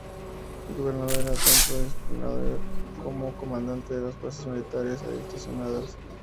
El gobernador era tanto administrador como comandante de las fuerzas militares allí estacionadas.